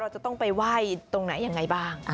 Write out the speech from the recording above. จะต้องไปไหว้ตรงไหนยังไงบ้าง